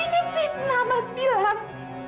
ini fitnah mas bilang